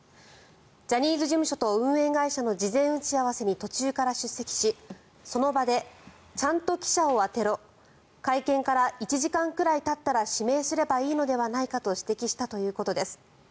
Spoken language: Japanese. ジャニーズ事務所と運営会社の事前打ち合わせに途中から出席しその場で、ちゃんと記者を当てろ会見から１時間くらいたったら指名すればいいのではないかと指摘したということです。